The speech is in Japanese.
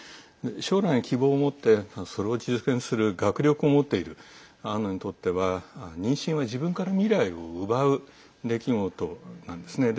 将来に希望を持ってそれを実現する学力も持っているアンヌにとっては妊娠は自分から未来を奪う出来事なんですね。